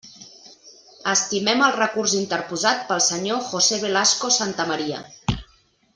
Estimem el recurs interposat pel senyor José Velasco Santamaría.